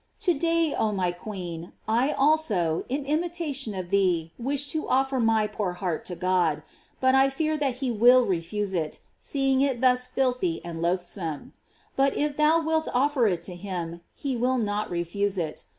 To day, oh my queen, I also, in imitation of thee wish to offer my poor heart to God; but I fear that he will refuse it, seeing it thus filthy and loathsome. But if thou wilt offer it to him, he will not refuse it.